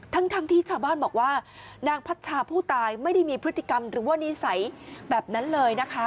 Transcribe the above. ทั้งที่ชาวบ้านบอกว่านางพัชชาผู้ตายไม่ได้มีพฤติกรรมหรือว่านิสัยแบบนั้นเลยนะคะ